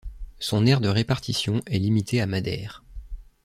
Son aire de répartition est limitée à Madère.